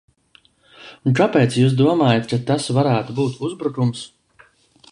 Un kāpēc jūs domājat, ka tas varētu būt uzbrukums?